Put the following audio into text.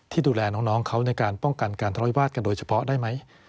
ดูแลน้องเขาในการป้องกันการทะเลาวิวาสกันโดยเฉพาะได้ไหม